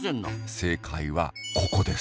正解はここです。